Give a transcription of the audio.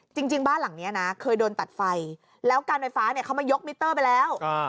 จริงบ้านหลังนี้นะเคยโดนตัดไฟแล้วการไฟฟ้าเนี่ยเขามายกมิเตอร์ไปแล้ว